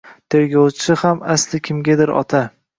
Tergovchi ham asli kimgadir ota